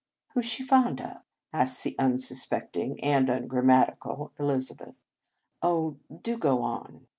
"Who s she fond of?" asked the unsuspecting and ungrammatical Elizabeth. " Oh, do go on